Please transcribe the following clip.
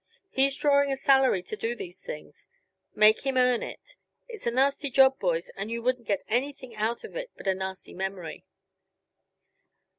He's drawing a salary to do these things, make him earn it. It's a nasty job, boys, and you wouldn't get anything out of it but a nasty memory."